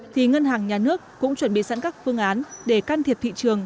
thì ngân hàng nhà nước cũng chuẩn bị sẵn các phương án để can thiệp thị trường